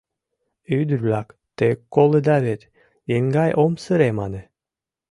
— Ӱдыр-влак, те колыда вет, еҥгай ом сыре мане.